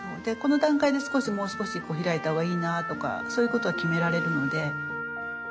でこの段階で少しもう少し開いた方がいいなとかそういうことが決められるので。